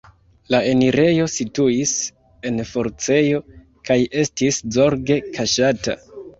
La enirejo situis en forcejo kaj estis zorge kaŝata.